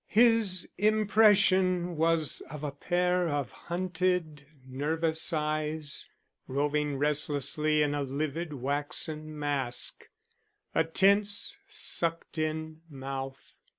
His impression was of a pair of hunted nervous eyes roving restlessly in a livid waxen mask, a tense sucked in mouth.